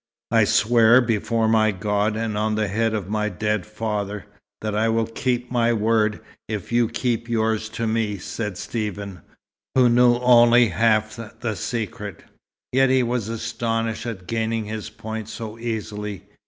I swear before my God, and on the head of my dead father, that I will keep my word, if you keep yours to me," said Stephen, who knew only half the secret. Yet he was astonished at gaining his point so easily.